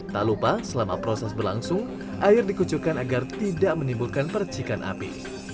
tak lupa selama proses berlangsung air dikucurkan agar tidak menimbulkan percikan api